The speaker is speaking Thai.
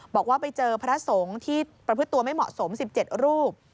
บอกว่าไปเจอพระสงฆ์ที่ประพฤติตัวไม่เหมาะสม๑๗รูป